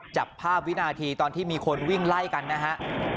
จับภาพวินาทีตอนที่มีคนวิ่งไล่กันนะฮะ